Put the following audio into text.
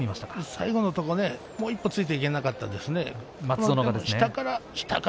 最後のところもう一歩ついていけなかったですね